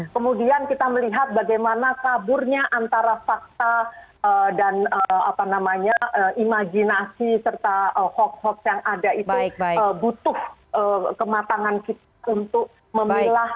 kemudian kita melihat bagaimana kaburnya antara fakta dan imajinasi serta hoax hoax yang ada itu butuh kematangan kita untuk memilah